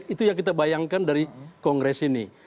itu yang kita bayangkan dari kongres ini